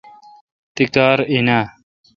تی کار این اؘ